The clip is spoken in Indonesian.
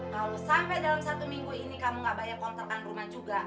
kalau sampai dalam satu minggu ini kamu gak banyak kontrakan rumah juga